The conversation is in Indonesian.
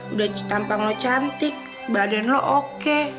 udah gampang lo cantik badan lo oke